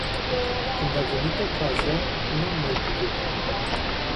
Când a venit ocazia, n-am mai putut.